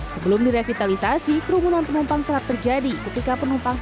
sebelum direvitalisasi perumunan penumpang terjadi ketika penumpang yang berada di stasiun transit ini